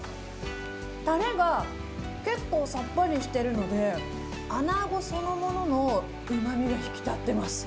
たれが結構さっぱりしてるので、あなごそのもののうまみが引き立ってます。